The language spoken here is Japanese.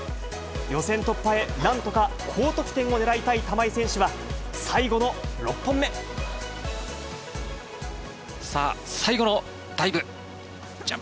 予選突破へ、なんとか高得点を狙いたい玉井選手は、さあ、最後のダイブ。